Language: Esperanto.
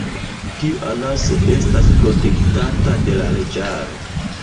Tiu anaso estas protektata de la leĝaro.